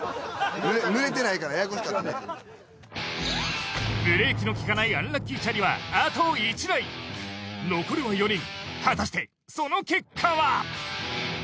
濡れてないからややこしくなってブレーキの利かないアンラッキーチャリはあと１台残るは４人果たしてその結果は？